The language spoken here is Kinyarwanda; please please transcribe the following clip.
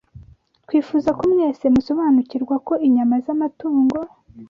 Twifuza ko mwese musobanukirwa ko inyama z’amatungo